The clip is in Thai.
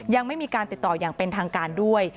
ยังไม่มีการติดต่ออย่างเป็นทางการด้วย